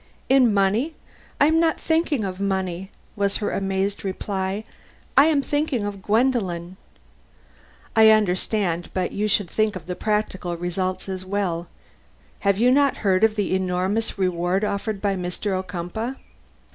"In money? I am not thinking of money," was her amazed reply; "I am thinking of Gwendolen." "I understand, but you should think of the practical results as well. Have you not heard of the enormous reward offered by Mr. Ocumpaugh?"